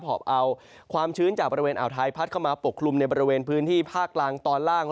อบเอาความชื้นจากบริเวณอ่าวไทยพัดเข้ามาปกคลุมในบริเวณพื้นที่ภาคกลางตอนล่าง